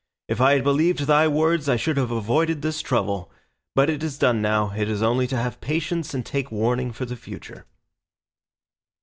If I had believed thy words, I should have avoided this trouble; but it is done now, it is only to have patience and take warning for the future."